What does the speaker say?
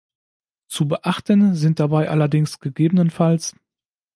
Zu beachten sind dabei allerdings ggf.